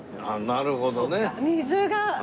なるほどね。